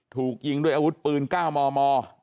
ถูกยิงด้วยอาวุธปืน๙มม